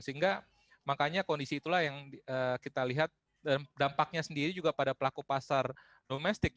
sehingga makanya kondisi itulah yang kita lihat dampaknya sendiri juga pada pelaku pasar domestik